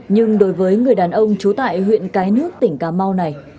nhưng đối với người đàn ông trú tại huyện cái nước tỉnh cà mau này